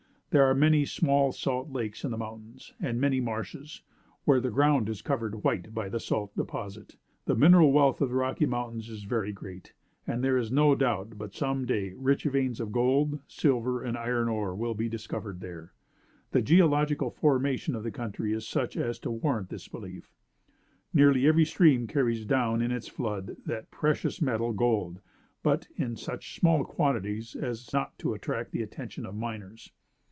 There are many small salt lakes in the mountains, and many marshes, where the ground is covered white by the salt deposit. The mineral wealth of the Rocky Mountains is very great, and there is no doubt but some day, rich veins of gold, silver, and iron ore will be discovered there. The geological formation of the country is such as to warrant this belief. Nearly every stream carries down in its floods that precious metal, gold; but, in such small quantities, as not to attract the attention of miners.